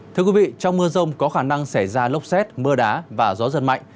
thưa quý vị trong mưa rông có khả năng xảy ra lốc xét mưa đá và gió giật mạnh